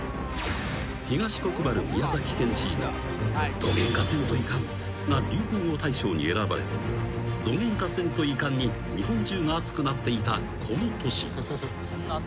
［東国原宮崎県知事の「どげんかせんといかん」が流行語大賞に選ばれ「どげんかせんといかん」に日本中が熱くなっていたこの年］